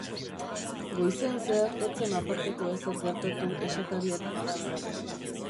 Goizean zehar ez zen aparteko ezer gertatu esatariaren arabera.